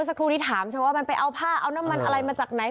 ชื่อว่ามันไปเอาผ้าเอาน้ำมันอะไรมาจากไหน